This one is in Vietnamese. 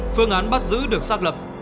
phương án bắt giữ được xác lập